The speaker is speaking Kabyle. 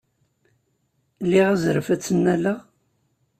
Liɣ azref ad tt-nnaleɣ?